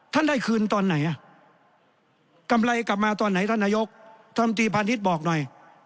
ท่านได้คืนตอนไหนอ่ะกำไรกลับมาตอนไหนท่านนายกท่านตีพาณิชย์บอกหน่อย